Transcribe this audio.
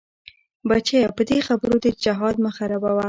بچيه په دې خبرو دې جهاد مه خرابوه.